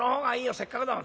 せっかくだもん。